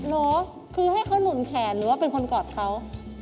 เอ่อโหลคือให้เขานุ่นแขนหรือว่าเป็นคนกอดเขา